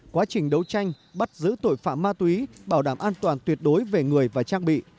quá trình đấu tranh bắt giữ tội phạm ma túy bảo đảm an toàn tuyệt đối về người và trang bị